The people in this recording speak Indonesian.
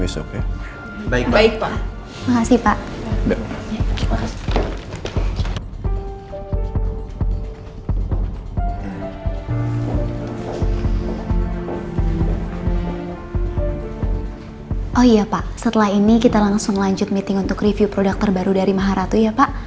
setelah ini kita langsung lanjut meeting untuk review produk terbaru dari maharatu ya pak